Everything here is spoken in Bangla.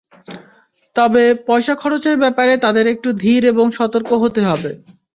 তবে, পয়সা খরচের ব্যাপারে তাঁদের একটু ধীর এবং সতর্ক হতে হবে।